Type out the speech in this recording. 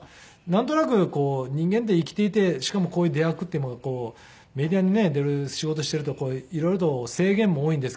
なんとなく人間って生きていてしかもこういう出役ってこうメディアにね出る仕事をしていると色々と制限も多いんですけど。